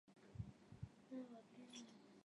町域北边有东武铁道通过。